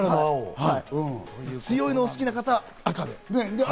強いのがお好きな方は赤。